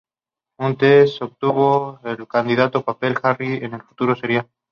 Tras un test, obtuvo el codiciado papel de Harry en el futuro serial.